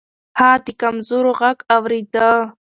هغه د کمزورو غږ اورېده.